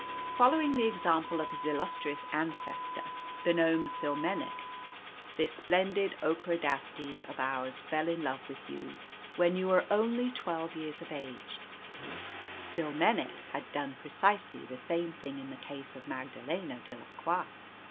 Following the example of his illustrious ancestor the gnome Tsilmenech, this splendid Ockerodastes of ours fell in love with you when you were only twelve years of age (Tsilmenech had done precisely the same thing in the case of Magdalena de la Croix).